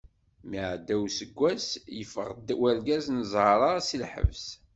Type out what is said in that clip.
Mi iɛedda useggas, yeffeɣ-d urgaz n zahra seg lḥebs.